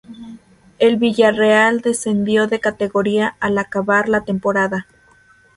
El Villarreal descendió de categoría al acabar la temporada.